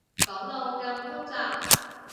講到咁複雜